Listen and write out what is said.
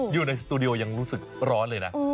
อยู่ในสตูดิโอยังรู้สึกร้อนเลยนะ